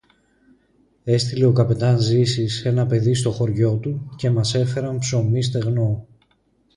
Έστειλε ο καπετάν-Ζήσης ένα παιδί στο χωριό του, και μας έφεραν ψωμί στεγνό